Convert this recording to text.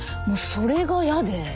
もうそれが嫌で。